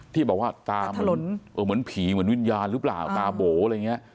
ที่บอกว่าตาเหมือนผีเหมือนวิญญาณหรือเปล่าตาโบ๋อะไรอย่างนี้